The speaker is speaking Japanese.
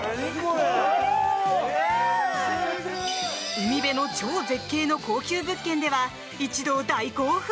海辺の超絶景の高級物件では一同大興奮。